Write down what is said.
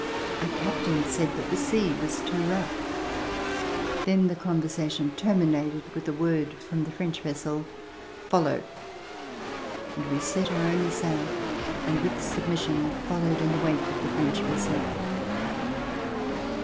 Our captain said that the sea was too rough. Then the conversation terminated with a word from the French vessel: "Follow," and we set our only sail and with submission followed in the wake of the French vessel.